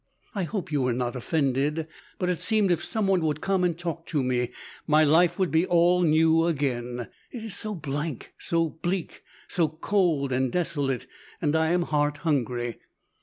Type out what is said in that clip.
I hope you were not offended; but it seemed if some one would come and talk to me, my life would all be new again! It is so blank, so bleak, so cold and desolate, and I am heart hungry."